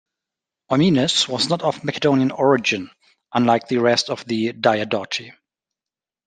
Eumenes was not of Macedonian origin, unlike the rest of Diadochi.